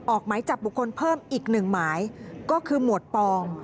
ออกหมายจับบุคคลเพิ่มอีกหนึ่งหมายก็คือหมวดปอง